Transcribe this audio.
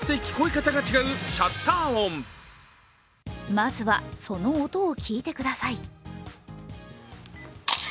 まずは、その音を聞いてください。